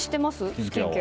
スキンケア。